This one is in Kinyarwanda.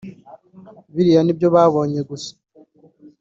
…] Biriya ni byo babonye gusa